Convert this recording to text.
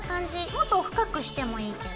もっと深くしてもいいけど。